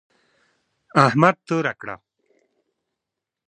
احمد توره کړه.